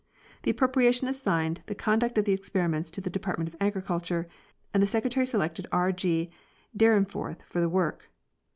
The appropriation assigned the conduct of the experiments to the Department of Agriculture, and the Secretary selected R. G. Dyrenforth for the work.